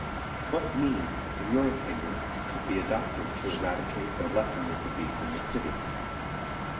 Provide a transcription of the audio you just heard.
What means, in your opinion, could be adopted to eradicate or lessen the disease in the city?